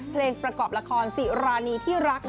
เพลงประกอบละครสิรานีที่รัก